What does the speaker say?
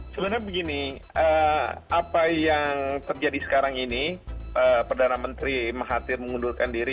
sebenarnya begini apa yang terjadi sekarang ini perdana menteri mahathir mengundurkan diri